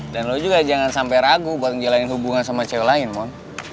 dan lo juga jangan sampai ragu buat ngejalanin hubungan sama cewek lain mon